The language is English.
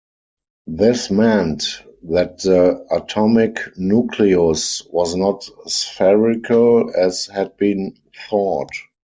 This meant that the atomic nucleus was not spherical, as had been thought.